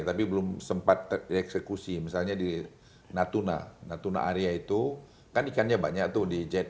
tapi belum sempat dieksekusi misalnya di natuna natuna area itu kan ikannya banyak tuh di jet